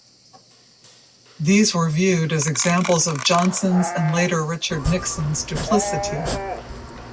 These were viewed as examples of Johnson's and later Richard Nixon's duplicity.